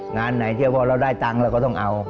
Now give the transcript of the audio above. งานไหนที่ว่าเราได้ตังค์เราก็ต้องเอา